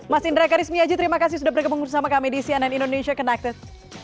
mas indra karismi aji terima kasih sudah berkembang bersama kami di cnn indonesia connected